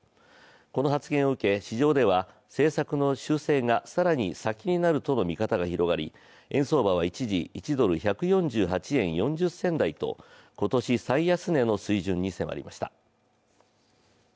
この発言を受け、市場では政策の修正が更に先になるとの見方が広がり円相場は一時１ドル＝１４８円４０銭台と今年最安値の水準に迫りました。